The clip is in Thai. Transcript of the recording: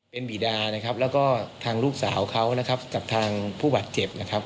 เป็นบีดานะครับแล้วก็ทางลูกสาวเขานะครับกับทางผู้บาดเจ็บนะครับ